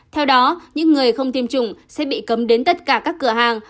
theo đó những người không tiêm chủng sẽ bị cấm đến tất cả các cửa hàng